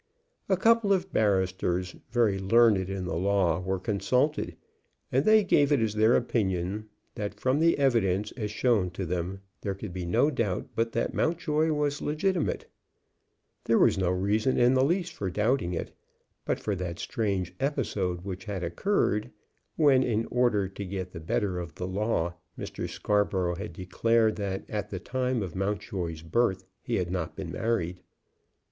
A couple of barristers very learned in the law were consulted, and they gave it as their opinion that from the evidence as shown to them there could be no doubt but that Mountjoy was legitimate. There was no reason in the least for doubting it, but for that strange episode which had occurred when, in order to get the better of the law, Mr. Scarborough had declared that at the time of Mountjoy's birth he had not been married.